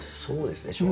そうですね。